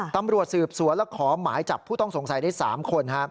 ตำรวจสืบสวนและขอหมายจับผู้ต้องสงสัยได้๓คน